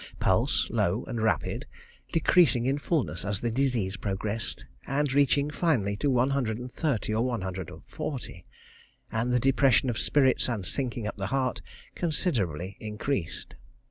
Pulse low and rapid, decreasing in fulness as the disease progressed, and reaching finally to 130 or 140; and the depression of spirits and sinking at the heart considerably increased.